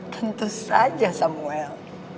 tentu saja samuel